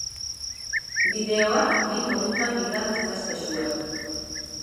Bideoak bi modutan bidal ditzazkezue.